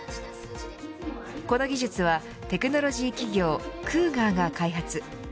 この技術は、テクノロジー企業クーガーが開発。